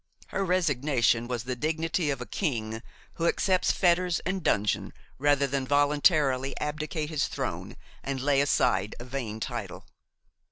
Her resignation was the dignity of a king who accepts fetters and a dungeon rather than voluntarily abdicate his throne and lay aside a vain title.